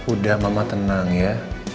udah mama tenang ya